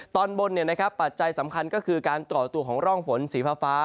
ตอนบนเนี่ยนะครับปัจจัยสำคัญก็คือการต่อตัวของร่องฝนสีภาฟ้า